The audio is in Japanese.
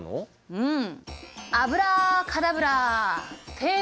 うん！